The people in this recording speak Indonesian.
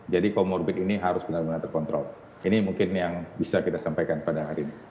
jadi komorbit ini harus benar benar terkontrol ini mungkin yang bisa kita sampaikan pada hari ini